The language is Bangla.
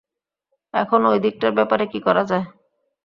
এখন ঐদিকটার ব্যাপারে কী করা যায়?